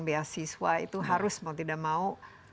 beasiswa itu harus mau tidak mau